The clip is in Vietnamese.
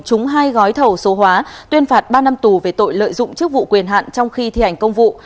trúng hai gói thầu số hóa tuyên phạt ba năm tù về tội lợi dụng chức vụ quyền hạn trong khi thi hành công vụ